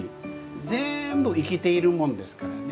全部生きているものですからね。